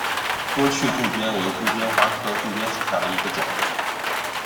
多趣杜鹃为杜鹃花科杜鹃属下的一个种。